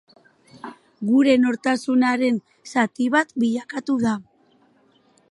Gure nortasunaren zati bat bilakatu da.